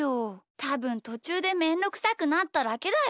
たぶんとちゅうでめんどくさくなっただけだよ。